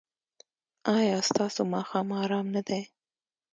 ایا ستاسو ماښام ارام نه دی؟